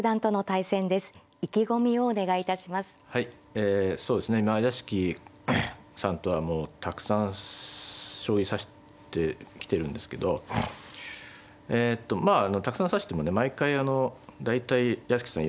えそうですね屋敷さんとはもうたくさん将棋指してきてるんですけどえっとまあたくさん指しても毎回あの大体屋敷さん